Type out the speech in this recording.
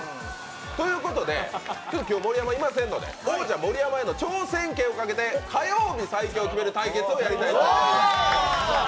ということで、今日は盛山がいませんので、王者・盛山への挑戦権を決めて火曜日最強を決める対決をやりたいと思います。